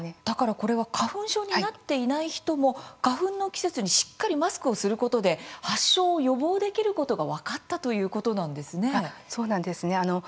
だからこれは花粉症になっていない人も花粉の季節にしっかりマスクをすることで発症を予防できることが分かったということなんですね。